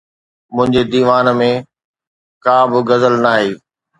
منهنجي ديوان ۾ ڪا به غزل ناهي.